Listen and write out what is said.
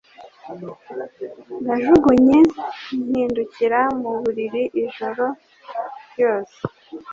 Najugunye mpindukira mu buriri ijoro ryose.